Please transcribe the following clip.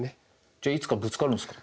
じゃいつかぶつかるんですか？